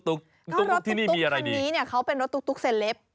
ตุ๊กที่นี่มีอะไรดีก็รถตุ๊กคันนี้เนี่ยเขาเป็นรถตุ๊กเซล็ป